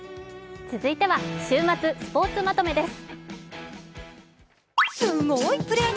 続いては「週末スポーツまとめ」です。